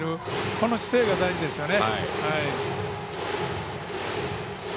この姿勢が大事ですね。